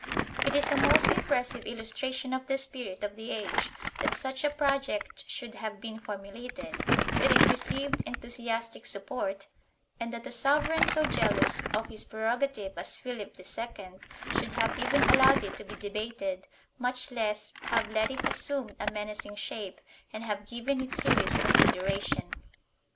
It is a most impressive illustration of the spirit of the age that such a project should have been formulated, that it received enthusiastic support and that a sovereign so jealous of his prerogative as Philip II should have even allowed it to be debated, much less have let it assume a menacing shape and have given it serious consideration.